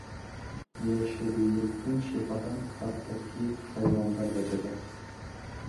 Йәшеллектең шифаһын хатта ки хайуандар ҙа белә.